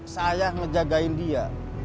saya ngejagain dia